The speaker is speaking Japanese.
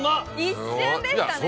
一瞬でしたね。